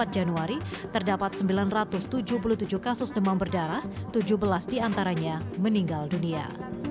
empat januari terdapat sembilan ratus tujuh puluh tujuh kasus demam berdarah tujuh belas diantaranya meninggal dunia